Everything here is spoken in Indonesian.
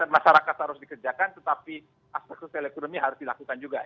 masyarakat harus dikerjakan tetapi aspek sosial ekonomi harus dilakukan juga